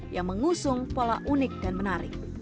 yang mengusung pola unik dan menarik